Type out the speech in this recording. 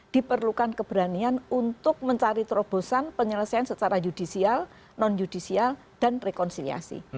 diperlukan keberanian untuk mencari terobosan penyelesaian secara yudisial non judisial dan rekonsiliasi